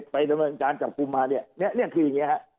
ไปดำเนินจานจับกุมมาเนี่ยเนี่ยคืออย่างนี้ครับ